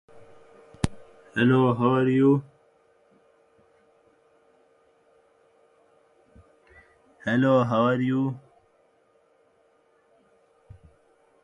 ‘There is no date to that, is there?’ inquired a juror.